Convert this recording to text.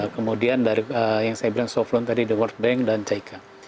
kemudian dari yang saya bilang softloan tadi the world bank dan caika